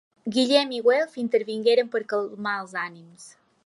Guillem i Güelf intervingueren per calmar els ànims.